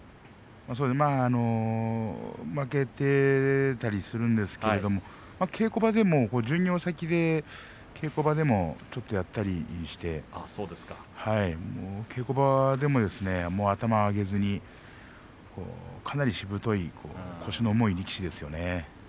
負けてたりもするんですけども稽古場でも巡業先でも少しやったりしていて稽古場でも頭を上げずにかなりしぶとい腰の重い力士ですよね。